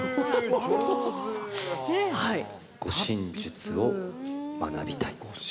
護身術を学びたい。